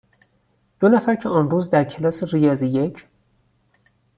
دو نفر که آن روز در کلاس ریاضی یک،